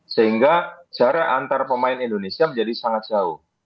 sehingga jarak antar pemain indonesia menjadi sangat jauh